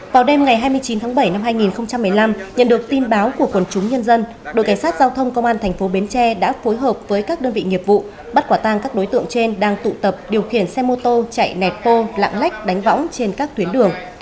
vào đêm ngày hai mươi chín tháng bảy năm hai nghìn một mươi năm nhận được tin báo của quần chúng nhân dân đội cảnh sát giao thông công an thành phố bến tre đã phối hợp với các đơn vị nghiệp vụ bắt quả tang các đối tượng trên đang tụ tập điều khiển xe mô tô chạy netpo lạng lách đánh võng trên các tuyến đường